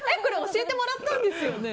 教えてもらったんですよね？